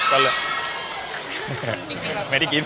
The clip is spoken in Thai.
ไม่ได้กรี๊ดผมไม่ได้กรี๊ดผม